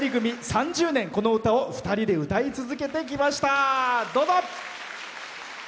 ３０年、この歌を２人で歌い続けてきました。